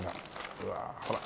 うわほら。